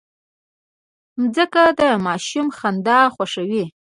مځکه د ماشوم خندا خوښوي.